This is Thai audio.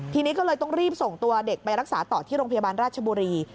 ทีนี้ก็เลยต้องรีบส่งตัวเด็กไปรักษาต่อที่โรงพยาบาลราชบุรี